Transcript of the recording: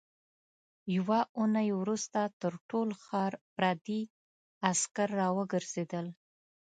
يوه اوونۍ وروسته تر ټول ښار پردي عسکر راوګرځېدل.